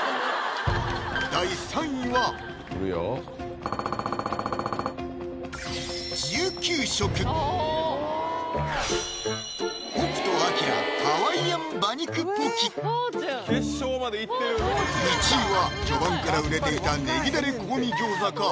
第３位は北斗晶１位は序盤から売れていたねぎダレ香味餃子か？